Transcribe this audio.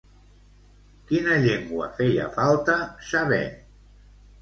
Quina llengua feia falta saber?